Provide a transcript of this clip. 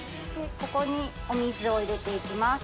ここにお水を入れて行きます。